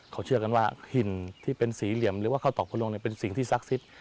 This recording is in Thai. เขาเชื่อกันว่าหินที่เป็นสีเหลี่ยมหรือว่าข้าวตอกพระลงเป็นสิ่งที่ศักดิ์สิทธิ์